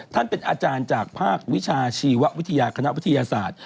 เป็นอาจารย์จากภาควิชาชีววิทยาคณะวิทยาศาสตร์